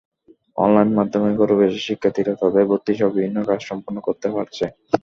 Online মাধ্যমে ঘরে বসে শিক্ষার্থীরা তাদের ভর্তিসহ বিভিন্ন কাজ সম্পন্ন করতে পারছে।